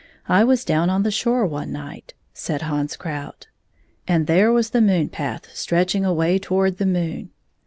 I was down on the shore one night," said Hans Krout, "and there 17 was the moon path stretching away toward the moon.